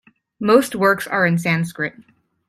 Most works are in Sanskrit.